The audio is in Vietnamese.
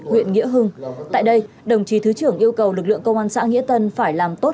huyện nghĩa hưng tại đây đồng chí thứ trưởng yêu cầu lực lượng công an xã nghĩa tân phải làm tốt